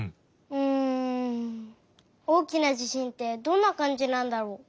うんおおきな地しんってどんなかんじなんだろう？